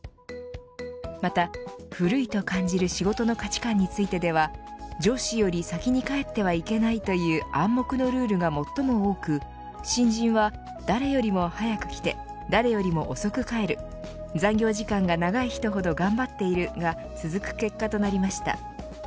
また古いと感じる仕事の価値観についてでは上司より先に帰ってはいけないという暗黙のルールが最も多く新人は誰よりも早く来て誰よりも遅く帰る残業時間が長い人ほど頑張っているが続く結果になりました。